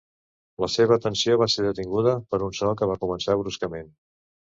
La seva atenció va ser detinguda per un so que va començar bruscament.